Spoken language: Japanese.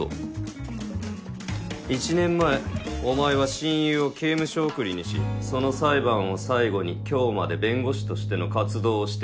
１年前お前は親友を刑務所送りにしその裁判を最後に今日まで弁護士としての活動をしていない。